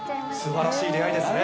素晴らしい出会いですね。